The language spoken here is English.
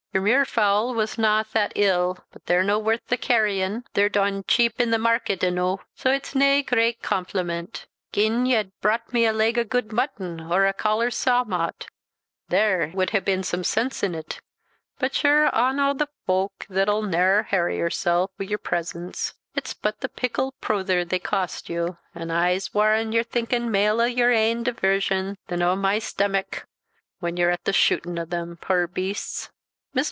Your muirfowl was na that ill, but they're no worth the carryin; they're dong cheap i'the market enoo, so it's nae great compliment. Gin ye had brought me a leg o' gude mutton, or a cauler sawmont, there would hae been some sense in't; but ye're ane o' the fowk that'll ne'er harry yoursel' wi' your presents; it's but the pickle poother they cost you, an' I'se warran' ye're thinkin mail' o' your ain diversion than o' my stamick, when ye're at the shootin' o' them, puir beasts." Mr.